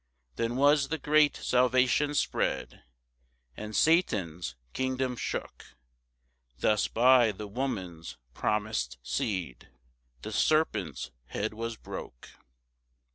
8 Then was the great salvation spread, And Satan's kingdom shook; Thus by the woman's promis'd seed The serpent's head was broke.